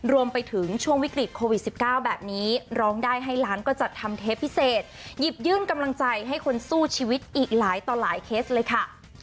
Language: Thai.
รวมไปถึงช่วงวิกฤตโควิด๑๙แบบนี้ร้องได้ให้ล้านก็จัดทำเทปพิเศษหยิบยื่นกำลังใจให้คนสู้ชีวิตอีกหลายต่อหลายเคสเลยค่ะ